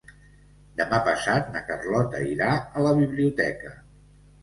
Demà passat na Carlota irà a la biblioteca.